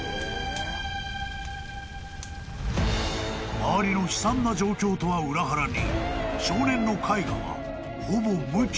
［周りの悲惨な状況とは裏腹に］